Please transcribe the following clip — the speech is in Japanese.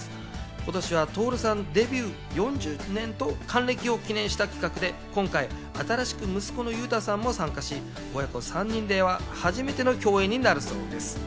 今年は徹さんデビュー４０年と還暦を記念した企画で、今回新しく息子の裕太さんも参加して、親子３人では初めての共演になるそうです。